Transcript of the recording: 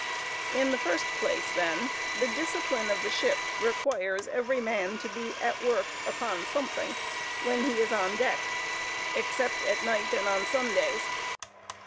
In the first place, then, the discipline of the ship requires every man to be at work upon something when he is on deck, except at night and on Sundays.